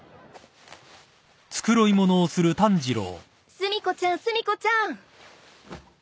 ・炭子ちゃん炭子ちゃん。